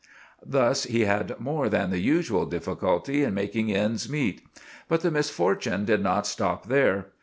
Thus he had more than the usual difficulty in making ends meet. But the misfortune did not stop there.